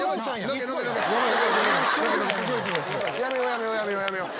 やめようやめようやめよう！